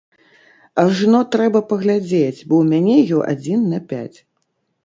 Ажно трэба паглядзець, бо ў мяне ё адзін на пяць.